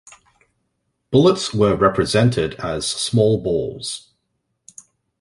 Bullets were represented as small balls.